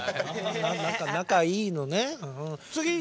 仲いいのね。